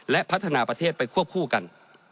และพัฒนาประเทศไปควบคู่กัน